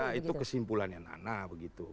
ya itu kesimpulannya nana begitu